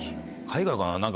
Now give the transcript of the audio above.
海外かな？